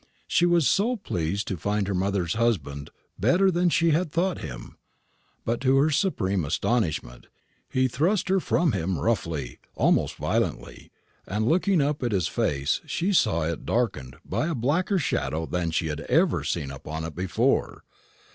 She was so pleased to find her mother's husband better than she had thought him. But, to her supreme astonishment, he thrust her from him roughly, almost violently, and looking up at his face she saw it darkened by a blacker shadow than she had ever seen upon it before.